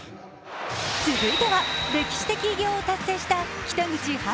続いては歴史的偉業を達成した北口榛花。